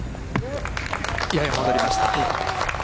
やや戻りました。